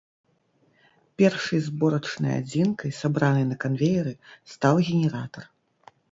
Першай зборачнай адзінкай, сабранай на канвееры, стаў генератар.